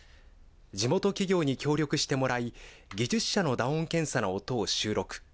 地元企業に協力してもらい、技術者の打音検査の音を収録。